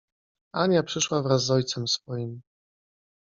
Ania przyszła wraz z ojcem swoim!